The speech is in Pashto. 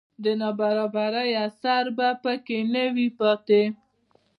د نابرابرۍ اثر په کې نه وي پاتې